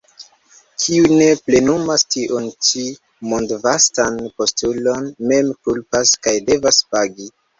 Kiu ne plenumas tiun ĉi mondvastan postulon, mem kulpas kaj devas pagi.